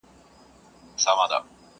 د لور حالت لا خرابېږي او درد زياتېږي هره شېبه